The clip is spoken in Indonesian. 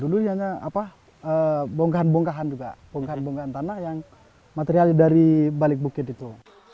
dulu hanya bongkahan bongkahan juga bongkahan bongkahan tanah yang material dari balik bukit itu